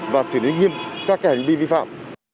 và xử lý nghiêm các hành vi vi phạm